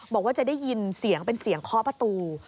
บอกว่าจะได้ยินเสียงเป็นเสียงเคาะประตู